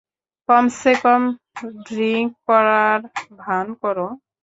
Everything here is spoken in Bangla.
কমসেকম ড্রিংক করার ভান কর।